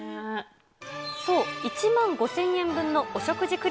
そう、１万５０００円分のお食事